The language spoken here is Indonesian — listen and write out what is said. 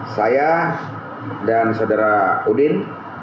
saya dan saudara udin